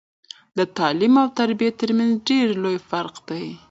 د تعليم او تربيه ترمنځ ډير لوي فرق دی